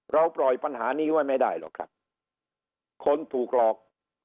ปล่อยปัญหานี้ไว้ไม่ได้หรอกครับคนถูกหลอก